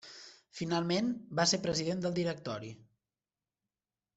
Finalment va ser president del Directori.